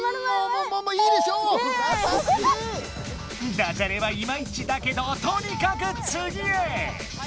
ダジャレはいまいちだけどとにかくつぎへ！